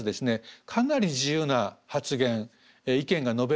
かなり自由な発言意見が述べられたんです。